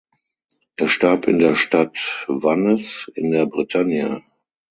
Er starb in der Stadt Vannes in der Bretagne.